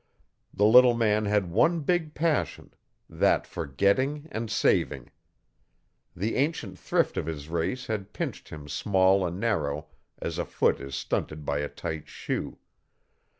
The little man had one big passion that for getting and saving. The ancient thrift of his race had pinched him small and narrow as a foot is stunted by a tight shoe.